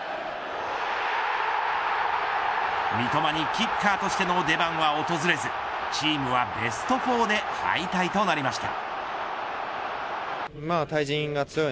三笘にキッカーとしての出番は訪れずチームはベスト４で敗退となりました。